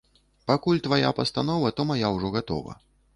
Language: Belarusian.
Пакуль твая пастанова, то мая ўжо гатова.